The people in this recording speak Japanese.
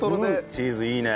チーズいいね。